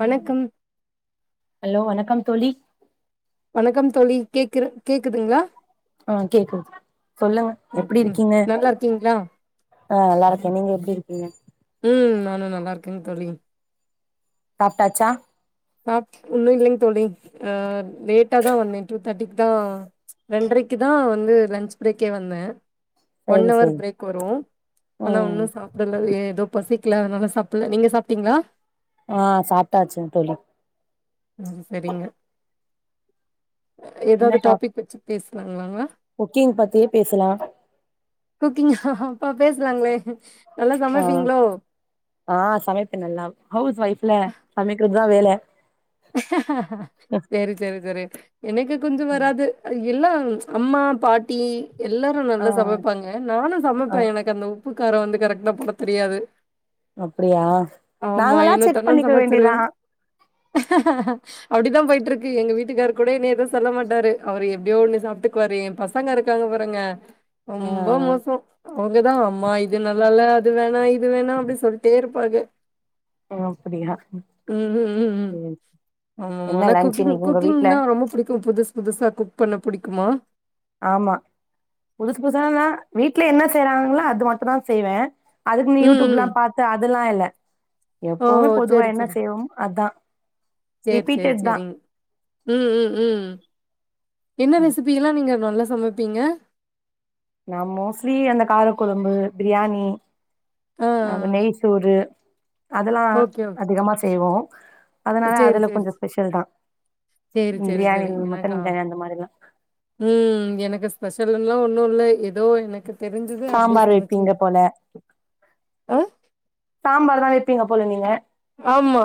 வணக்கம் ஹலோ வணக்கம் தோளி வணக்கம் தோளி கேக்குற கேக்குதுங்களா ஆ கேக்குது சொல்லுங்க ம் எப்படி ம் இருக்கீங்க நல்லா இருக்கீங்களா? ஆ நல்லா இருக்கே நீங்க எப்பிடி இருக்கீங்க உம் நானு நல்லா இருக்கேன்னு தோழி சாப்பிட்டாச்சா சாப் உன்னு இல்லைங்க தோழி ஆ லேட்டா தா வந்தே டூ தேர்ட்டிக்கு தா ரெண்டரைக்கு தா வந்து லன்ச் பிரேக்கே வந்தே ஒன் சரி அவர் சரி பிரேக் வரு ஆனா ம் உன்னு சாப்பிடல ஏதோ பசி க்லா அதனால சாப்பிடல நீங்க சாப்பிட்டீங்களா ஆ சாப்டாச்சுங் தோளி அ செரிங்க ஏதாவது என்ன டாப் டாபிக் வெச்சு பேசு ளாங்களா குக்கிங் பத்தியே பேசலா குக்கிங்கா அப்பா பேசலாங்களே நல்லா ஆ சமைப்பீங்களோ? ஆ சமைப்பேன் நல்லா ஹவுஸ் வைப்ஃபுல சமைக்கரது தா வேல சேரி சேரி சேரி எனக்கு கொஞ்சு வராது இல்லா அம்மா பாட்டி எல்லாரு நல்லா ஆ சமைப்பாங்க நானு சமைப்பே ஆ எனக்கு அந்த உ உப்புக்காரோ வந்து கரெக்ட்டா போட தெரியாது அப்படியா ஆமா, நாங்கால செக் பண்ணிக்க வேண்டியதா அப்டித்தா போயிட்ருக்கு எங்க வீட்டுக்காரரு கூட என்னய எது சொல்ல மாட்டாரு அவரு எப்டியோ ஒண்ணு சாப்ட்டுக்குவாரு எம் பசங்க இருக்காங்க பாருங்க ஆ ரொம்ப மோச அவங்கதா அம்மா இது நல்லால அது வேணா இது வேணா அப்டி சொல்ட்டே இருப்பாங்க ஒ அப்டியா ம் என்ன ஆமாமால லன்ச் குக்கிங் இன்னைக்கு உங்க வீட்ல குக்கிங்லா ரொம்ப புடிக் புதுஸ் புதுசா குக் பண்ண புடிக்குமா ஆமா புதுஸ் புதுசானா வீட்ல என்ன செய்றாங்ளோ அது மட்டு தா செய்வே அதுக்னு ம், ம். யூட்யூப்லா பாத்து அது துலா இல்ல ஓ! எப்போமே பொதுவா என்ன செய்வோம் அதா சேர் சேர் ரிப்பீட்டட் தா செரிங் ம் ம் ம் என்ன ரெசிபி எல்லா நீங்க நல்லா சமப்பீங்க நா மோஸ்லி அந்த காரக்குழம்பு பிரியாணி ஆ, அத நெய்சோறு அதலா அதிகமா செய்வோ ஒ அதனால சேரி அதுல சேரி கொஞ்சோ ஸ்பெஷல் தா சேரி சேரி பிரியாணி சேரி எனக்கா மட்டன் பிரியாணி அந்த மாரிலா ம் எனக்கு ஸ்பஷல்லு லா ஒன்னு இல்ல எதோ எனக்கு தெரிஞ்சது அப்டியே சாம்பார் சமைச்சு வெப்பீங்க போல ஆ, சாம்பார் தா எப் பீங்க போல நீங்க ஆமா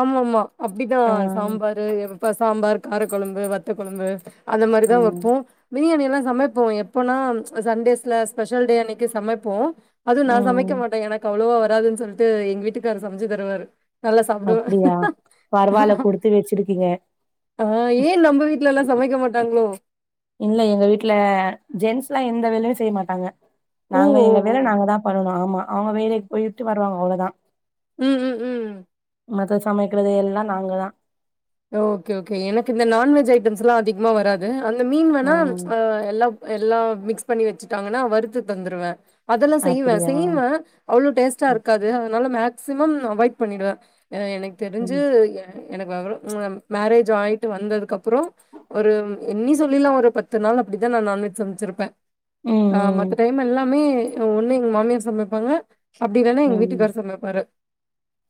ஆமாமா அப்டிதா ம் சாம்பாரு எ ப்ப சாம்பார் காரக்கொழம்பு வத்தக் கொழம்பு அந்த மாரிதா ம் வப்போ பிரியாணி எல்லா சமைப்போ எப்போனா அ சண்டேஸ்ல ஸ்பெஷல் டே அன்னைக்கு சமைப்போ அதுவு நா ம் சமைக்க மாட்ட எனக்கு அவ்ளவா வ ராதுன் சொல்ட்டு எங்க வீட்டுக்காரு சமச்சு தருவாரு நல் சாப்டுவ அப்டியா பரவால்ல குடுத்து வச்சிருக்கீங்க ஆ ஏ நம்ப வீட்லல்லா சமைக்க மாட்டாங்ளோ இல்ல எங்க வீட்ல ஜென்ஸ்லா எந்த வேலயு செய்ய மாட்டாங்க ஓ! நாங்க ஓ! எங்க வேல ஓ! நாங்க தா பண்ணனு ஆமா அவ்ங்க வேலக்கி போய்ட்டு வருவாங்க அவ்ளோதா ம் ம் ம் மத்த சமக்கெறது எல்லா நாங்க தா தோ ஓகே ஓகே எனக்கு இந்த நான்வெஜ் ஐட்டம்ஸ்லா அதிகமா வராது அந்த மீன் வேணா ம் ஆ எல்லா எல்லா மிக்ஸ் பண்ணி வச்சுட்டாங்கனா வறுத்து தந்துருவே அதெல்லா செய்வே அப்படியா செய்வே அவ்ளோ டேஸ்ட்டா இருக்காது அதனால மேக் மேக்சிமம் நா அவாய்ட் பண்ணிடுவே எனக்கு தெரிஞ்சு ம் எனக்கு வெவரோ மேரேஜ் ஆயிட்டு வந்ததுக்கு அப்புறோ ஒரு என்னி சொல்லிலாம் ஒரு பத்து நாள் அப்டிதா நா நான்வெஜ் சமைச்சிருப்பே ஆ ம் மத்த டைம் எல்லாமே ஒன்னு எங்க மாமியர் சமைப்பாங்க அப்டில்லன்னா ம் எங்க ம் வீட்டுக்கார் சமைப்பாரு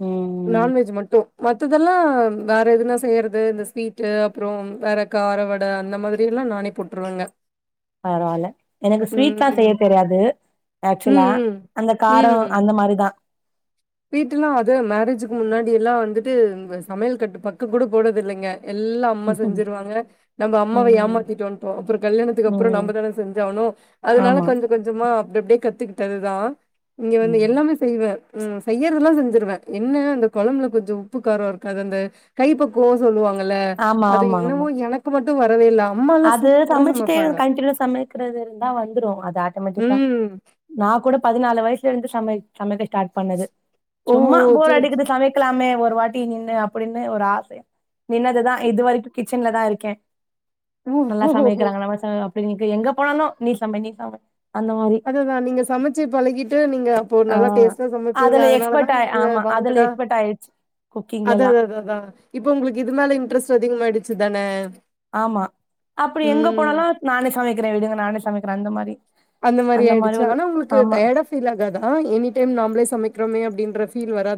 ம் நான்வெஜ் மட்டும் மத்ததெல்லா வேற எதுனா செய்யறது இந்த ஸ்வீட்டு அப்றோ வேற காரவட அந்த மாரி எல்லா நானே போட்ருவங்க பரவால்ல எனக்கு ஸ்வீட்ஸ்லா செய்ய தெரியாது ஆக்சுவலா ம், ம். அந்த காரோ ம். அந்த மாரிதா வீட்டுலா அது மேரேஜுக்கு முன்னாடி எல்லா வந்துட்டு இந்த சமையல் கட்டு பக்கம் கூட போனது இல்லங்க எல்லாம் அம்மா செஞ்சிருவாங்க நம்ம அம்மாவ ம் ஏமாத்தட்டு வந்துட்டோ அப்புறோ கல்யாணத்துக்கு அப்புறோ நம்ம ம் தானே செஞ்சி ஆணு அதனால ஆமா கொஞ்ச கொஞ்சமா அப்டி அப்டியே கத்துக்கிட்டதுதா இங்க வந்து ம் எல்லாமே செய்வே உம் செய்யறதெல்லா செஞ்சுருவே என்ன அந்த குழம்புல கொஞ்சௌ உப்பு காரம் இருக்காது அந்த கை பக்கவோ சொல்லுவாங்க ல்ல ஆமா அது ஆமா ஆமா என்னமோ எனக்கு மட் வரவேல்ல அது சமைச்சுட்டே கண்டினியூ சமைக்கிறது இருந்தா வந்துரும் அது ஆட்டோமேட்டிக்கா ம் நான் கூட பதினாலு வயசுல இருந்து சமை சமைக்க ஸ்டார்ட் பண்ணது ஓ சும்மா சேரி சேரி போரடிக்குது சமைக்கலாமே ஒரு வாட்டி நின்னுறு அப்படின்னு ஒரு ஆசை நின்னதுதான் இது வரைக்கும் கிச்சன்ல தான் இருக்கேன் ஓ நல்லா ஓ ஓ சமைக்கிறாங்கல நம்ம எப்படி நீங்க எங்க போனாலும் நீ சமைங்கக்கா அத அதான் நீங்க சமச்சு பழகிட்டு நீங்க அப்போ ஆ நல்லா டேஸ்ட்டா சமைப்பிங்க அதுல எக்ஸ்பர்ட் அதனாலதான் ஆய் உங்கள ஆமா அதுல வாண்ட்டடா எக்ஸ்பர்ட் ஆயிடுச்சு குக்கிங்லல்லா அதஅதான் இப்ப உங்களுக்கு இது மேல இன்ட்ரஸ்ட் அதிகமாகிருச்சு அதான் ஆமா அப்படி எங்க போனாலும் நானே சமைக்கிறேன் விடுங்க நானே சமைக்கிறேன் அந்த மாரி அந்த மாதிரி மாரி ஆயிடுச்சு ஒரு ஆனா உங்களுக்கு ஆமா டயர்டா ஃபீல் ஆகாதா எனி டைம் நாமளே சமைக்கிறோமே அப்படின்னு ஃபீல் வராது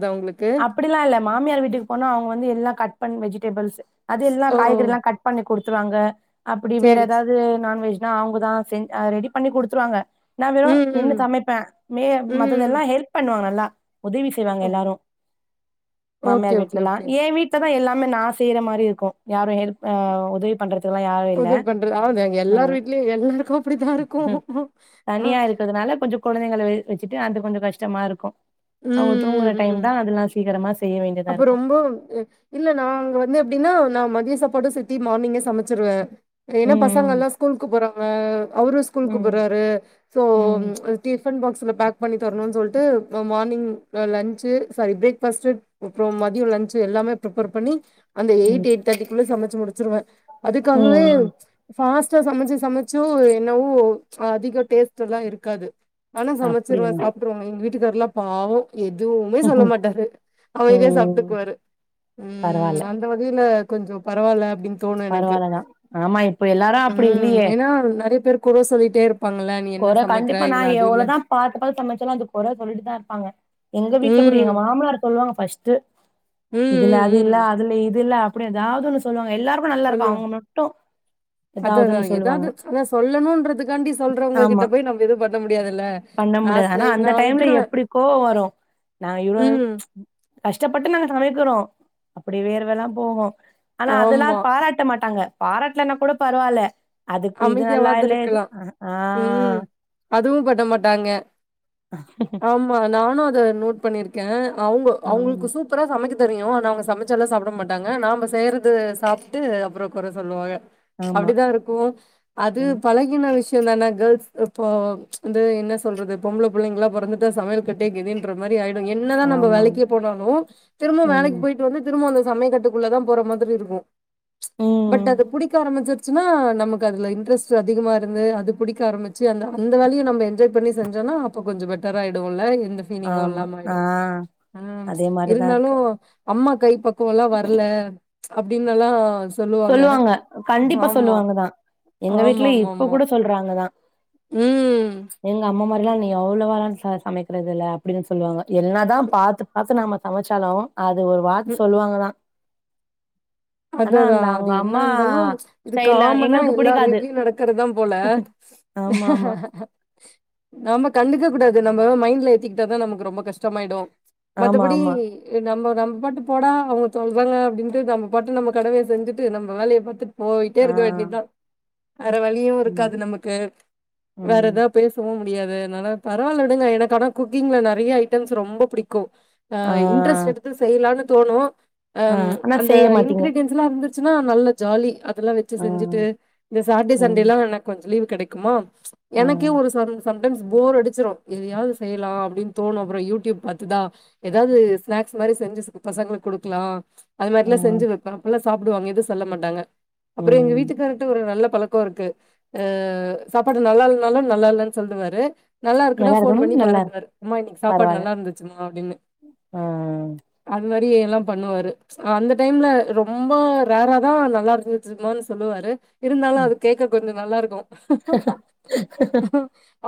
அப்படிலாம் இல்ல மாமியார் வீட்டுக்கு போனா அவங்க வந்து எல்லாம் கட் பண்ண வெஜி வெஜ்டேபில்ஸ் அது எல்லாம் ஓ காய்கறி எல்லாம் கட் பண்ணி கொடுத்து த்துறாங்க அப்படி வேற சேரி ஏதாவது நான்வெஜ் அவங்கதான் செ ரெடி பண்ணி குடுத்துருவாங்க நான் வெறும் ம் நின்னு ம் சமைப்பேன் மே ம் மத்ததெல்லாம் ஹெல்ப் பண்ணுவாங்க நல்லா உதவி செய்வாங்க ஓ எல்லாரும் ஓகே மாமியார் ஓகே வீட்ல எல்லாம் ஓகே என் வீட்ல எல்லாமே நான் செய்யற மாரி இருக்கும் யாரும் ஹெல்ப் ஆ உதவி பண்றது க்கு யாரும் இல்ல உதவி பண்றது ஆ அது எல்லார் ம் வீட்லயு எல்லாருக்கு அப்டித்தா இருக்கு ஆ தனியா இருக்கிறதுனால கொஞ்சம் குழந்தைங்க வச்சுட்டு அந்த கொஞ்சம் கஷ்டமா இருக்கும் அவங்க தூங்குற ம் டைம் ம் அதெல்லாம் சீக்கிரமா செய்ய வேண்டியது அப்ப ரொம்ப இல்ல நாங்க வந்து எப்படின்னா ந மதியம் சாப்பாடு சேத்தி மார்னிங்கே சமைச்சிருவேன் ஏனா பசங்க ம் எல்லாம் ஸ்கூலுக்கு போறோ ஆ அவரும் ம் ஸ்கூலுக்கு ம் போறாரு சோ ம் ம்ச் டிபன் பாக்ஸ்ல பேக் பண்ணி தரணும்னு சொல்ட்டு மார்னிங் லன்ச்சு சாரி பிரேக்ஃபாஸ்ட்டு அப்புறம் மதியம் லன்ச்சு எல்லாமே ப்ரிப்பேர் பண்ணி அந்த ம் எய்ட் எய்ட் தேட்டிகுள்ள சம ச்சுரூவேன் அதுக்காகவே ம் பாஸ் சமைச்சு சமைச்சும் என்னவோ அதிக டேஸ்ட் எல்லா இருக்காது ஆனா அப்டியா சமைச்சிருவேன் சாப்ட்டுருவங்க எங்க வீட் வீட்டுகார்லாம் பாவம் எதுவுமே சொல்ல மாட்டாரு அவ இதேயே ம் சாப்ட்டுக்குவாரு பரவால்ல ம் அந்த வகையில ல்ல கொஞ்சம் பரவால்ல அப்டின் பரவால்லதான் ஆமா இப்ப எல்லாரும் அப்படி ம். இல்லையே ஏன்னா நெறைய பேர் குற சொல்லிட்டே இருப்பாங்கல்ல. "நீ என்ன கொற சமைக்கிற? கண்டிப்பா இதுல நான் அது இல்ல." எவ்ளோதான் பாத்துப்பத்து சமைச்சாலும் அது கொற சொல்லிட்டு தான் இருப்பாங்க எங்க வீட்டுல கூட ம். எங்க மாமனார் சொல்லுவாங்க ஃபர்ஸ்ட்டு ம், இதுல ம், அது ம். இல்ல அதுல இது இல்ல அப்டி எதாவது ஒன்னு சொல்லுவாங்க எல்லாருக்கு நல்லா இருக்கு சொல்லுவா அவங்க மட்டு அது எதாவது அதான் ஒன்னு சொல்லுவாங்க எதாது அத சொல்லணுன்றதுக்காண்டி சொல்ற ஆமா பண்ண முடியாது லாஸ்ட்ல ஆனா அந்த நான் டைம்ல விட்டுருவேன். எப்டிக்கோவோ வரும் நாங்க இவ்ளோ ம். கஷ்டப்பட்டு நாங்க சமைக்கிறோ அப்படி வேறுவல்லாம் போகூ ஆனா ஆமா. அதெல்லாம் பாராட்ட மாட்டாங்க பாரட்டலன்னா கூட பரவால்ல அதுக்கு இது நல்லாயில்ல இது உம் ஆ அதுவும் பன்ன மாட்டாங்க ஆமா நானு அத நோட் பண்ணியிருக்கேன் அவுங்க அவங்களுக்கு ம் சூப்பரா சமைக்க தெரியும் ஆனா அவ்ங்க சமச்சாலாம் சாப்ட மாட்டாங்க நாம செய்றது சாப்ட்டு அப்பறோ கொற சொல்லுவாங்க ஆமா அப்டிதான் இருக்கூ அது ம் பழகின விஷயம் தான கேர்ள்ஸ் இப்போ ந்து என்ன சொல்றது பொம்பள புள்ளைங்களா பொறந்துட்டா சமையல் கட்டே கதின்ற மாறி இப்டி ஆயிடு என்னதான் நம்ப ஆமா வேலக்கி போனாலும் திரும்ப வேலக்கு ம் போயிட்டு வந்து திரும்ப அந்த சமயக்கட்டுக்குள்ள தான் போற மாதிரி இருக்கூ ம் பட் அத புடிக்க ஆரம்பிச்ச ச்சுன்னா நமக்கு க்கு அதுல இன்ட்ரஸ்ட் அதிகமா இருந்து அது புடிக்க ஆரம்பிச்சு அந்த அந்த வேலையும் நம்ப என்ஜாய் பண்ணி செஞ்சோனா கொஞ்சோ பெட்டர் ஆயிடுவோல இந்த ஃபீலிங்கும் ஆமா இல்லாம ஆ ஆயிடும் ஆஹ் அதே மாரிதா இருக்கு இருந்தாலும் அம்மா கை பக்குவல்லாம் வரல அப்டின்னல்லாம் சொல்லுவாங்க கண்டிப்பா சொல்லுவாங்க தான் எங்க வீட்டு்ல இப்ப கூட சொல்றாங்கதான் உம் இல்ல நீ அவ்வளவாலா சமைக்கிறது இல்ல அப்படின்னு சொல்லுவாங்க என்ன தான் பார்த்து பார்த்து நாம சமைச்சாலும் அது ஒரு வார்த்தை சொல்லுவாங்க தான் அததான் அவங்க என்ன அம்மா இருந்தாலும் இது ஸ்டைல்ல காமனா எங்களுக்கு எல்லார் புடிக்காது வீட்லயும் நடக்கிறதுதான் போல ஆமா ஆமா நாம கண்டி இருக்க கூடாது நம மைண்ட்ல ஏத்திக்கிட்ட தான் நமக்கு ரொம்ப கஷ்டமாயிடும் ஆமா மத்தபடி ஆமா நம்ம நம் பாட்டு போடா அவ்ங்க தொ இவங்க அப்டின்ட்டு நம்ம பாட்டு நம்ம கடமைய செஞ்சுட்டு நம்ம வேலைய பத்துட் போய்ட்டே ஆ இருக்க வேண்டித்தா வேற வழியு ஆமா இருக்காது நமக்கு வேற ம் எதாவ பேசவு முடியாது அதனால பரவால விடுங்க எனக்கு ஆனா குக்கிங்ல நெறையா ஐட்டம்ஸ் ரொம்ப பிடிக்கு ஆ இன்ட்ரெஸ்ட் எடுத்து செய்லானு தோணு அ ஆ ஆனா அந் இப்ப செய்ய மாட்டீங்க இன்கிரிடியன்ஸ் எல்லா இருந்து சுனா நல்ல ஜாலி அதெல்லா வெச்சு ஆ செஞ்சுட்டு இந்த சாட்டர்டே சண்டே ம் எல்லா எனக்கு கொஞ்ச லீவு கெடைக்குமா ஆ எனக்கே ஒரு ஸ்வரன் சம்டைம்ஸ் போர் அடிச்சிரு எதையாது செய்யலா அப்டின் தோணு அப்புற யூடியூப் பாத்துதா எதாவுது ஸ்நாக்ஸ் மாரி செஞ்சு ச பசங்களுக்கு குடுக்கலா அது ஆ மாரிலா செஞ்ச வெப்ப அப்பல்லா சாப்டுவாங்க எது சொல்ல மாட்டாங்க அப்புற எங்க ம் வீட்டுக்காரர்ட்ட ஒரு நல்ல பழக்க இருக்கு அ சாப்பாடு நல்லா இல்லனாலு நல்லா இல்லன் சொல்டுவாரு நல்லா இருக்குனா ஃபோன் இருக்கணும் பண்ணி நல்லா இருக்கு பாராட்டுவாரு அம்மா இன்னைக்கு சாப்பாடு பரவால்ல நல்லா இருந்துச்சுமா அப்டினு ஆ அது மார் எல்லா பண்ணுவாரு அந்த டைம்ல ரொம்ப ரேராதா நல்லா இருந்துச்சுமானு சொல்லுவாரு இருந்தாலு அது கேக்க கொஞ்ச நல்லாருக்கு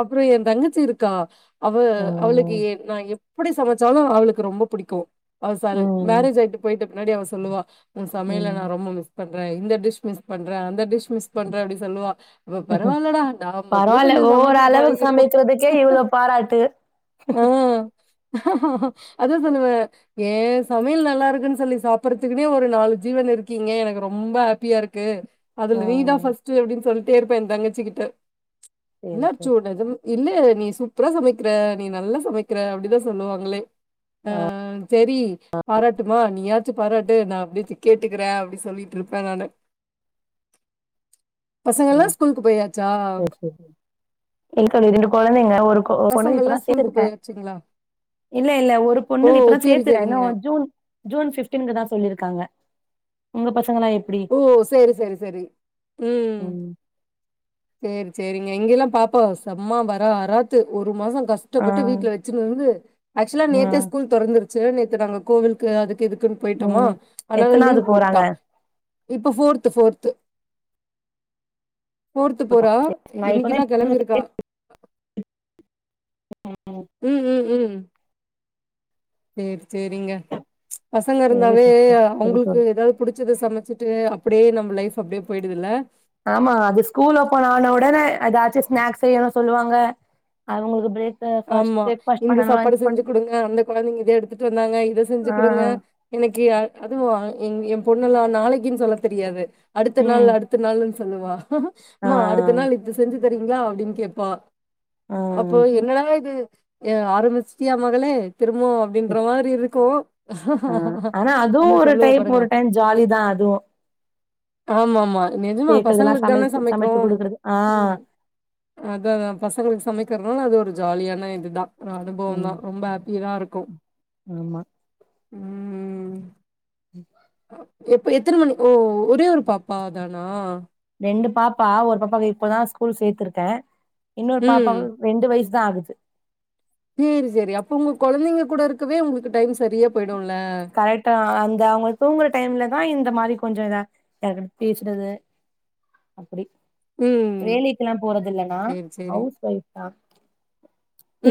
அப்புற எந்தங்கச்சி இருக்கா அவ அவளுக்கு ம் ஏ நா எ எப்பிடி சமைச்சாலு அவளுக்கு ரொம்ப புடிக்கு அவ சல் ம் மேரேஜ் ஆயிட்டு போய்ட்டு முன்னாடி அவ சொல்லுவா உ சமையல நா ம் ரொம்ப மிஸ் பண்ற இந்த டிஷ் மிஸ் பண்ற அந்த டிஷ் மிஸ் பண்ற அப்டின் சொல்லுவா இப்ப பரவாலடா நாம கூட பரவால்ல கொஞ்ச ஓவொரு சமைக்க அளவுக்கு பழகிருக்கோ சமைக்கிறதுக்கே இவ்ளோ பாராட்டு ஆ அதா சொல்லுவே ஏ சமையல் நல்லா இருக்குன்னு சொல்லி சாப் புரத்துக்குனே ஒரு நாலு ஜீவன் இருக்கீங்க எனக்கு ரொம்ப ஹேப்பியாருக்கு ஆ அதுல நீ தா ஃபர்ஸ்ட்டு அப்டின் சொல் தேர்ப்ப எந்தங்கச்சி கிட்ட சேரி சேரி என்னாச்சூடெது இல்ல நீ சூப்ரா சமைக்ற நீ நல்லா சமைக்ற அப்டிதா சொல்லுவாங்களே அஹ் சரி பாராட்டுமா நீயா துபாராட்டு நான் அப்டியச்சி கேட்டுக்கிறே அப்டி சொல்லிட்ருப்பே நானு பசங்கள்லாம் ம் ஸ்கூலுக்கு போயாச்சா? செர் செர் என்க்கடி ரெண்டு கொழந்தைங்க ஒரு கொ பொண்ணு பசங்கள்லாம் இப்பதான் ஸ்கூலுக்கு சேருக்கே போயாச்சுங்களா? இல்ல இல்ல ஒரு ஓ! பொண்ணு இப்பதான் சரி, சேத்துரே இனு சரிங்க. ஜூன் ஜூன் ஃபிஃப்ட்டீன்க்குதா ஸ் சொல்லிருக்காங்க உங்க பச ஓ சேரி செரி செரி உம் ம் சேர் சேரிங்க இங்கெல்லா பாப்பா செம்மா வர அராத்து ஒரு மாசொ ஆ கஷ்டப்பட்டு வீட்ல வச்சுன் வந்து ஆக்சுலா ஆ நேத்தே ஸ்கூல் தொறந்துரு சு நேத்து நாங்க கோவில்க்கு அதுக்கு இது க்குன் பொயிட்டொமா ம் அனால எத்தனாவது லீவ் போட்டா போறாங்க இப்ப ஃபோர்த்து ஃபோர்த்து ஃபோர்த்து போறா நான் இன்னைக்கிதா இப்பதான் கெளம்பிருக்கா ம் ம் ம் சேர் சேரிங்க பசங்க சரி இருந்தாவே சிஸ்டர் சரி அவங்கள்க்கு தோழி ஏதாவது புடிச்சத சம ச்சிட்டு அப்டியே நம்ம லைஃப் அப்டியே பொயிடுதுல்ல ஆமா அது ஸ்கூல் ஓப்பன் ஆன ஒடனே அதா து ஸ்னாக்ஸ் செய்யணூ சொல்லுவாங்க அவங்களுக்கு பிரேக் ஃபாஸ்ட் ஆமா பிரேக்ஃபாஸ்ட் இந்த பண்ணணும் சாப்பாடு லன்ச் செஞ்சு பண்ணணும் கொடுங்க அந்த கொழந்தைங்க இத எடுத்துட்டு வந்தாங்க இத செஞ்சு ஆ குடுங்க ஆ. இன்னைக்கி அதுவு என் ஏ பொண்ணல்லா நாளைக்குன் சொல்ல தெரியாது அடுத்த நாள் ம் அடுத்த நாளுன் சொல்லுவா ஆ மா அடுத்த நாள் இது செஞ்சு தரிங்ளா அப்டின் கேப்பா ஆ அப்போ எனாக இது ஏ ஆரம்பிச்ட்டியா மகளே திரும்போ அப்டின்ற மாரி இருக்கூ ஆ ஆனா அதுவு ஒரு டைம் ஒரு டைம் ஜாலி தா அதுவு ஆமா ஆமா நெஜமா பசங்களுக்கு சமை தான சமைக்கிறோ சமைச்சு குடுக்குறது ஆ ம் அதா தா பசங்களுக்கு சமைக்கிறதுனால ஒ ஜாலியான இதுதா அனுபவம் தா ம் ரொம்ப ஹாப்பி தா இருக்கு ஆமா உம் உம் எப்ப எத்தனை மணி ஓ ஒரே ஒரு பாப்பா தானா ரெண்டு பாப்பா ஒரு பாப்பாவ இப்பதா ஸ்கூல் சேர்த்திருக்கே இன்னொரு பாப்பா ம். ரெண்டு வயசு தா ஆகுது சேரி சேரி அப்ப உங்க கொழந்தைங்க கூட இருக்கவே உங்களுக்கு டைம் சரியா போயி கரெக்ட்டா அந்த அவங்க தூங்கற டைம்ல தா இந்த மாரி கொஞ்சு இதா [unintelligible] பேசுறது அப்பிடி ம். வேலைக்கெல்லா போறது இல்லன்னா சரி, சரி. ஹவுஸ் வைஃப் தா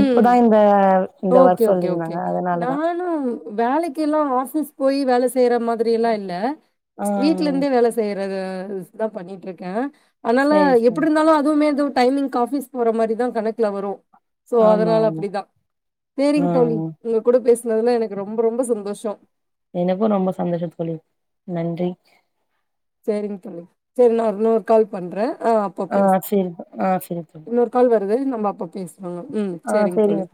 இப்பதா இந்த இந்த ஓக்கே ஒர்க் ஓக்கே ஓக்கே சொல்லிருந்தாங்க அதனாலதா நானு வேலைக்கு எல்லா எல்லா ஆபீஸ் போயி வேல செய்யற மாதிரி எல்லா இல்ல ஆ வீட்ல இருந்தே வேலை செய்யறது நா [unintelligible] பண்ணிட்டு இருக்கே அதனால சேரி சேரி எப்படி இருந்தாலு அதுவுமே இ டைமிங்கு ஆபீஸ் போற மாரி தா கணக்குல வரு சோ ஆமா அதனால ஆமா அப்படிதா ஆ சேரிங்க தோழி உங்க கூட பேசனதுல எனக்கு ரொம்ப ரொம்ப சந்தோஷோ எனக்கு ரொம்ப சந்தோஷோ தோளி நன்றி சேரிங்க தோளி சேரி நா இன்னொரு கால் பண்றே ஆ சேரி ஆ சேரி தோளி அதே நம்ம அப்போ பேசு ஆமா உம் சேரிங்க தோளி